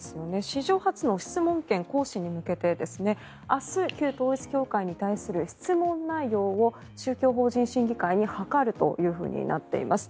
史上初の質問権行使に向けて明日、旧統一教会に対する質問内容を宗教法人審議会に諮るというふうになっています。